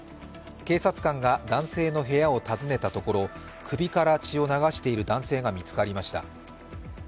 警察官が男性の部屋を訪ねたところ、首から血を流している男性が見つかりました。